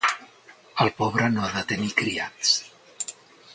El pobre no ha de tenir criats.